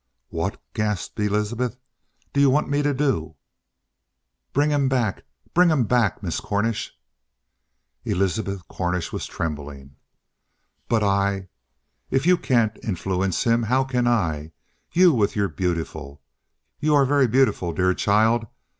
"What," gasped Elizabeth, "do you want me to do?" "Bring him back. Bring him back, Miss Cornish!" Elizabeth Cornish was trembling. "But I if you can't influence him, how can I? You with your beautiful you are very beautiful, dear child.